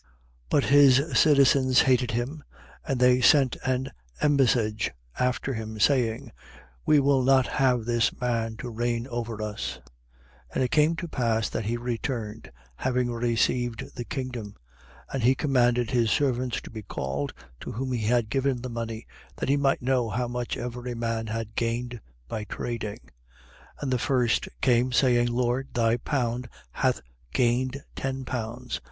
19:14. But his citizens hated him and they sent an embassage after him, saying: We will not have this man to reign over us. 19:15. And it came to pass that he returned, having received the kingdom: and he commanded his servants to be called, to whom he had given the money, that he might know how much every man had gained by trading, 19:16. And the first came saying: Lord, thy pound hath gained ten pounds.